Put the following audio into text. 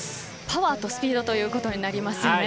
パワーとスピードということになりますね。